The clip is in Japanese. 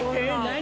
何？